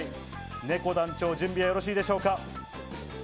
ねこ団長、準備はよろしいでしょうか？